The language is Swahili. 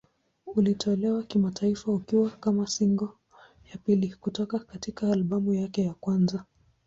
Ulitolewa kimataifa ukiwa kama single ya pili kutoka katika albamu yake ya kwanza.